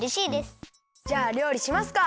じゃありょうりしますか！